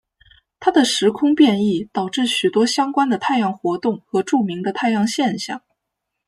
他的时空变异导致许多相关的太阳活动和著名的太阳现象。